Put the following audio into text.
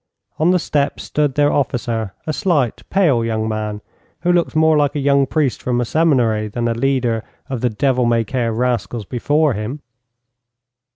On the steps stood their officer, a slight, pale young man, who looked more like a young priest from a seminary than a leader of the devil may care rascals before him.